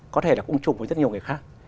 có thể là cũng chụp với rất nhiều người khác